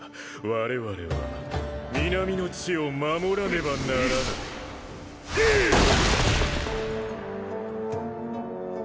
我々は南の地を守らねばならないフン！